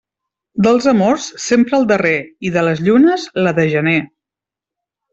Dels amors, sempre el darrer, i de llunes, la de gener.